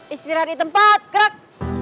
istirahat di tempat gerak